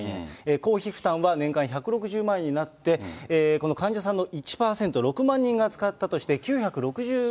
公費負担は年間１６０万円になって、患者さんの１％、６万人が使ったとして９６０億円。